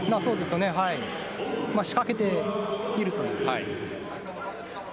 仕掛けていると。